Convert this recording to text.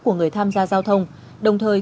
của người tham gia giao thông đồng thời